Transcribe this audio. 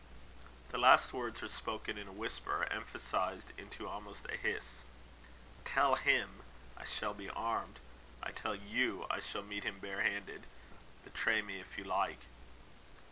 The last words were spoken in a whisper, emphasized into almost a hiss. "Tell him I shall be armed. I tell you I shall meet him bare handed. Betray me if you like."